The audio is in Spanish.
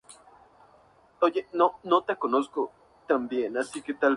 Ninguna versión tiene flash.